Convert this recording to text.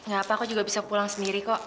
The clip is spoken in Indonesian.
gak apa apa juga bisa pulang sendiri kok